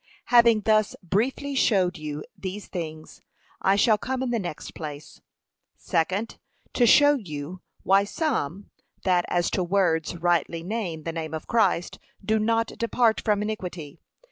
Having thus briefly showed you these things, I shall come in the next place, SECOND, To show you, why some, that as to words rightly name the name of Christ, do not depart from iniquity.